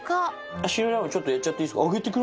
足裏もちょっとやっちゃっていいですか？